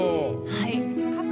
はい。